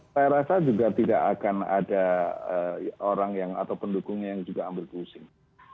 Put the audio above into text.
saya rasa juga tidak akan ada orang yang atau pendukungnya yang juga ambil pusing